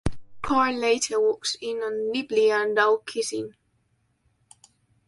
Karl later walks in on Libby and Doug kissing.